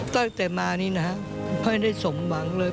ตั้งแต่มานี่นะพ่อไม่ได้สมหวังเลย